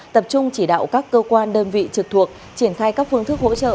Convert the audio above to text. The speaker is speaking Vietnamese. tập trung chỉ đạo các cơ quan đơn vị trực thuộc triển khai các phương thức hỗ trợ